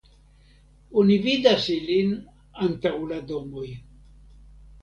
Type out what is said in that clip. Oni vidas ilin antaŭ la domoj.